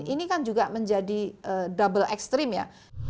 ini kan juga menjadi double ekstrim ya